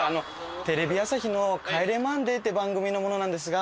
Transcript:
テレビ朝日の『帰れマンデー』って番組の者なんですが。